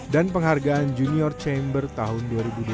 dan penghargaan junior chamber tahun dua ribu dua puluh dua